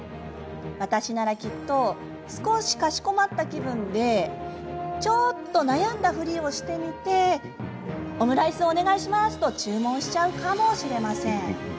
私ならきっと少しかしこまった気分でちょっと悩んだふりをしてみて「オムライスお願いします」と注文しちゃうかもしれません。